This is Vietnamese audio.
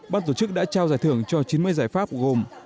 ban tổ chức đã trao giải thưởng cho chín mươi giải pháp gồm